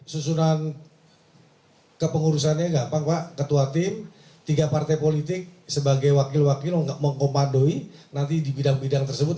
susunan kepengurusannya gampang pak ketua tim tiga partai politik sebagai wakil wakil mengkomandoi nanti di bidang bidang tersebut